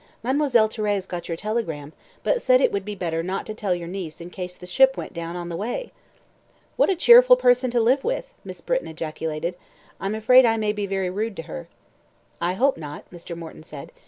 "Mademoiselle Thérèse got your telegram, but said it would be better not to tell your niece in case the ship went down on the way!" "What a cheerful person to live with!" Miss Britton ejaculated. "I'm afraid I may be very rude to her." "I hope not," Mr. Morton said.